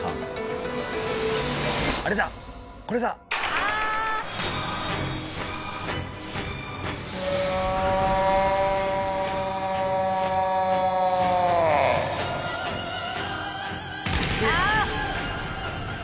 ああ！